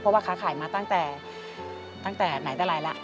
เพราะว่าค้าขายมาตั้งแต่ตั้งแต่ไหนแต่ไรละ